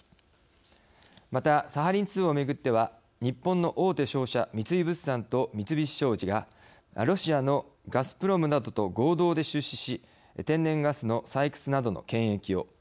またサハリン２をめぐっては日本の大手商社三井物産と三菱商事がロシアのガスプロムなどと合同で出資し天然ガスの採掘などの権益を。